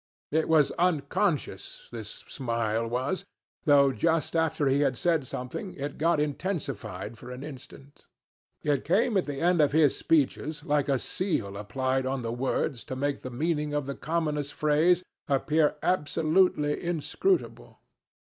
It was unconscious, this smile was, though just after he had said something it got intensified for an instant. It came at the end of his speeches like a seal applied on the words to make the meaning of the commonest phrase appear absolutely inscrutable.